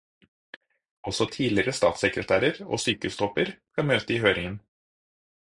Også tidligere statssekretærer og sykehustopper skal møte i høringen.